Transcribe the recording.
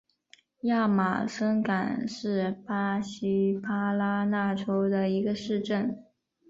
亚马孙港是巴西巴拉那州的一个市镇。